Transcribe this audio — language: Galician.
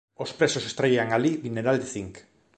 Os presos extraían alí mineral de zinc.